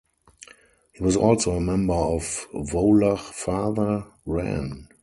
He was also a member of Volach father, Ran.